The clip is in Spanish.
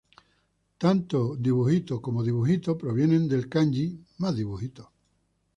Tanto お como オ provienen del kanji 於.